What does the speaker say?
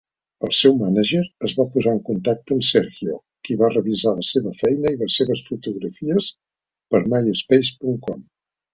El seu manager es va posar en contacte amb Sergio, qui va revisar la seva feina i les seves fotografies per myspace.com.